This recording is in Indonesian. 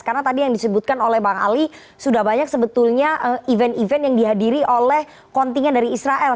karena tadi yang disebutkan oleh bang ali sudah banyak sebetulnya event event yang dihadiri oleh kontingen dari israel